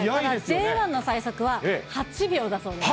Ｊ１の最速は８秒だそうです。